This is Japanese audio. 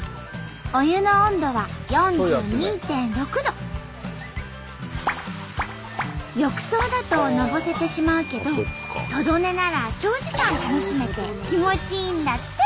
お湯の浴槽だとのぼせてしまうけどトド寝なら長時間楽しめて気持ちいいんだって！